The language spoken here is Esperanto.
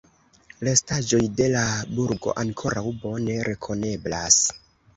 Restaĵoj de la burgo ankoraŭ bone rekoneblas.